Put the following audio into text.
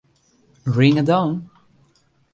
Ring a dong!